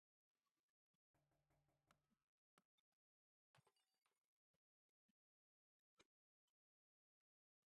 "zali i nade mną będą sejmikować, czym po ich myśli, czy nie?..."